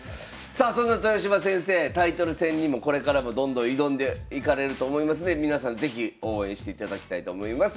さあそんな豊島先生タイトル戦にもこれからもどんどん挑んでいかれると思いますんで皆さん是非応援していただきたいと思います。